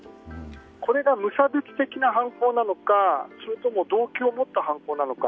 これが無差別的な犯行なのかそれとも動機を持った犯行なのか。